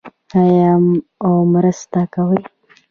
آیا او مرسته کوي؟